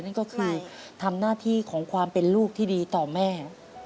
นั่นก็คือทำหน้าที่ของความเป็นลูกที่ดีต่อแม่